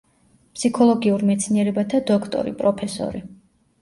ფსიქოლოგიურ მეცნიერებათა დოქტორი, პროფესორი.